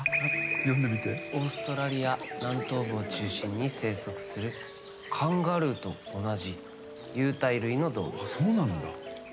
オーストラリア南東部の中心に生息するカンガルーと同じ有袋類の動物。